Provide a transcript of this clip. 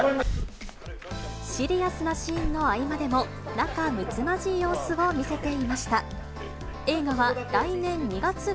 シリアスのシーンの合間でも、仲むつまじい様子を見せていました。